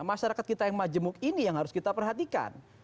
masyarakat kita yang majemuk ini yang harus kita perhatikan